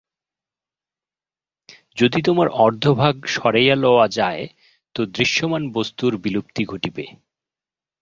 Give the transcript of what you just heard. যদি তোমার অর্ধভাগ সরাইয়া লওয়া যায় তো দৃশ্যমান বস্তুর বিলুপ্তি ঘটিবে।